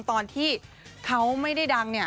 ตอนที่เขาไม่ได้ดังเนี่ย